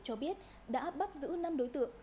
cho biết đã bắt giữ năm đối tượng